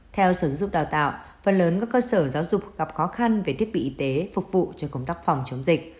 theo sở dục đào tạo phần lớn các cơ sở giáo dục gặp khó khăn về thiết bị y tế phục vụ cho công tác phòng chống dịch